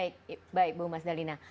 baik baik bu mas dalina